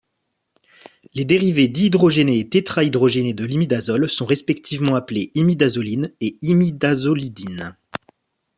Les dérivés dihydrogéné et tétrahydrogéné de l'imidazole sont respectivement appelés imidazoline et imidazolidine.